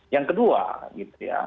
yang kedua gitu ya